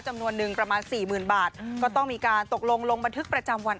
จำนวนนึงประมาณสี่หมื่นบาทก็ต้องมีการตกลงลงบันทึกประจำวัน